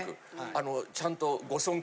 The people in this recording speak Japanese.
あのちゃんと。